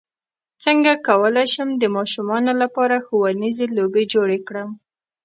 څنګه کولی شم د ماشومانو لپاره ښوونیزې لوبې جوړې کړم